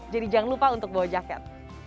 jadi jangan lupa untuk bawa jaket